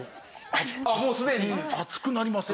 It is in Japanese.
あっもうすでに。